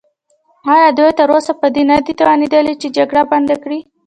ایا دوی تراوسه په دې نه دي توانیدلي چې جګړه بنده کړي؟